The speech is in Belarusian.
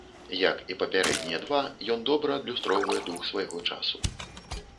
Як і папярэднія два, ён добра адлюстроўвае дух свайго часу.